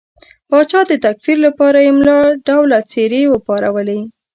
د پاچا د تکفیر لپاره یې ملا ډوله څېرې وپارولې.